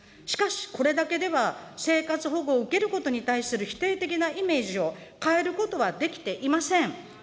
しかし、これだけでは生活保護を受けることに対する否定的なイメージを変えることはできていません。